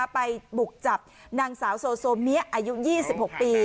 ไปบุกจับนางสาวโซเมียอายุ๒๖ปี